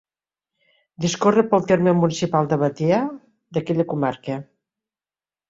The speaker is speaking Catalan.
Discorre pel terme municipal de Batea, d'aquella comarca.